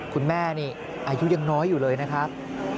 คุณแม่นี่อายุยังน้อยอยู่เลยนะครับ